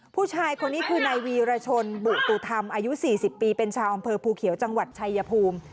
ผู้ชายคนนี้คือนายวีรชนบุตุธรรมอายุ๔๐ปีเป็นชาวอำเภอภูเขียวจังหวัดชายภูมิ